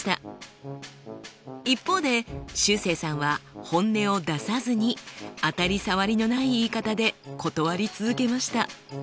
一方でしゅうせいさんは本音を出さずに当たり障りのない言い方で断り続けました。